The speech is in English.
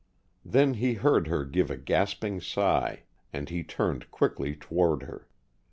Then he heard her give a gasping sigh, and he turned quickly toward her.